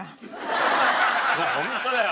ホントだよ！